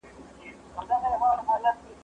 زه پرون زدکړه وکړه!.